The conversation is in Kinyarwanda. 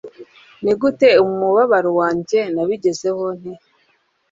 Nigute, mubabaro bwanjye, nabigezeho nte